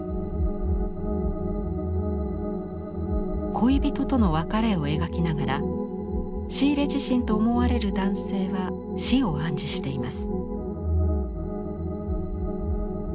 恋人との別れを描きながらシーレ自身と思われる男性は死を暗示しています。